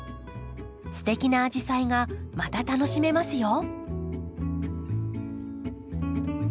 すてきなアジサイがまた楽しめますよ。